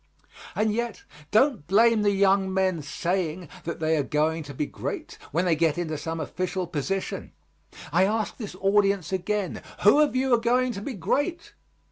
And yet, don't blame the young men saying that they are going to be great when they get into some official position. I ask this audience again who of you are going to be great?